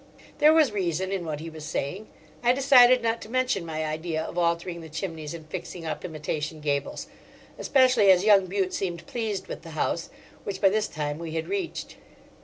There was reason in what he was saying. I decided not to mention my idea of altering the chimneys and fixing up imitation gables, especially as young Bute seemed pleased with the house, which by this time we had reached.